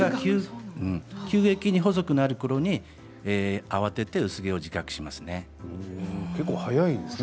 急激に細くなるころに慌てて薄毛を自覚しますね。